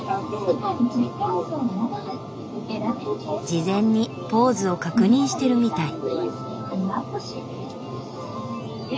事前にポーズを確認してるみたい。